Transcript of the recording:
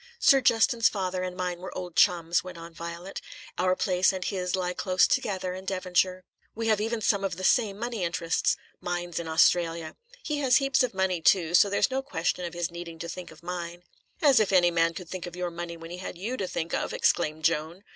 "Sir Justin's father and mine were old chums," went on Violet. "Our place and his lie close together in Devonshire. We have even some of the same money interests mines in Australia. He has heaps of money, too, so there's no question of his needing to think of mine." "As if any man could think of your money when he had you to think of!" exclaimed Joan.